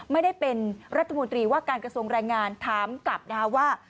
ไม่ได้เป็นรัฐมนตรีว่าการกระทรวงแรงงานถามกลับนะคะว่า